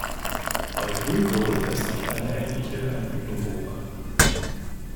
Bei Grünkohl lässt sich eine ähnliche Entwicklung beobachten.